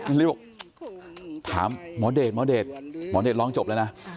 น้าฤษฎีบอกถามมหอเดทมหอเดทลองจบแหละนะ